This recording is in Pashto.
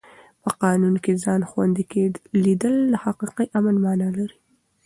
په قانون کې ځان خوندي لیدل د حقیقي امن مانا لري.